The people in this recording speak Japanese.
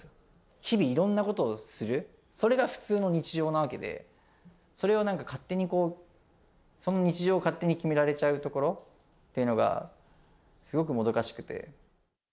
日々いろんなことをする、それが普通の日常なわけで、それをなんか勝手にこう、その日常を勝手に決められちゃうところっていうのが、すごくもどかしくて。